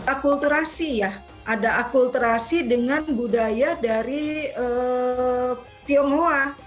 akulturasi ya ada akulturasi dengan budaya dari tionghoa